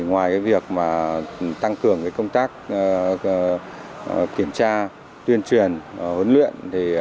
ngoài việc tăng cường công tác kiểm tra tuyên truyền huấn luyện